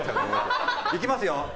いきますよ。